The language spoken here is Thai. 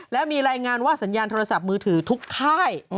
และมีรายงานว่าสัญญาณโทรศัพท์มือถือทุกค่าย